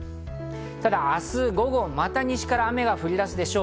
明日午後、また西から雨が降り出すでしょう。